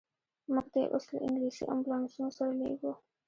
موږ دي اوس له انګلیسي امبولانسونو سره لېږو.